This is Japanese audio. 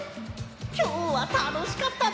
きょうはたのしかったぜ！